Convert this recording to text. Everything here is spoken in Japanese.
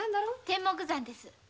天目山です。